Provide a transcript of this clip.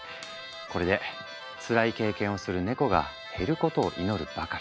これでつらい経験をするネコが減ることを祈るばかり。